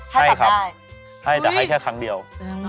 ใช่ครับให้แต่ให้แค่ครั้งเดียว